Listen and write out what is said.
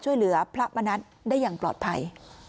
ดูเหมือนเขาจะเอาไป